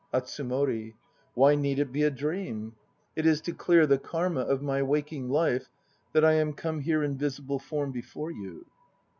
ATSUMORI. Why need it be a dream? It is to clear the karma of my waking life that I am come here in visible form before you.